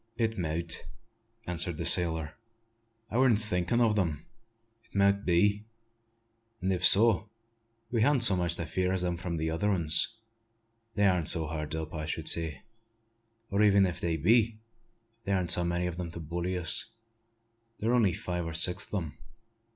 "It mout," answered the sailor. "I warn't thinkin' o' them. It mout be; an' if so, we han't so much to fear as from t' other 'uns. They arn't so hard up, I should say; or even if they be, there arn't so many o' 'em to bully us. There were only five or six o' them.